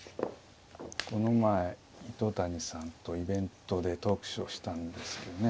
この前糸谷さんとイベントでトークショーしたんですけどね